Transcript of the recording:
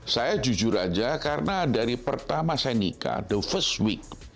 saya jujur aja karena dari pertama saya nikah the first week